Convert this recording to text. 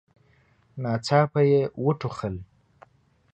ناڅاپه يې وټوخل.